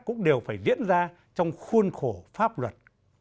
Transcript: cũng đều phải diễn ra trong khuôn khổ pháp luật